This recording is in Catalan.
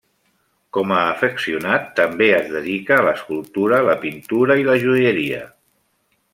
Com a afeccionat també es dedica a l'escultura, la pintura i la joieria.